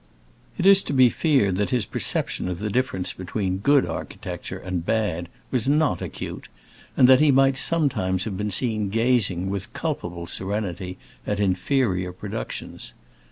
It is to be feared that his perception of the difference between good architecture and bad was not acute, and that he might sometimes have been seen gazing with culpable serenity at inferior productions.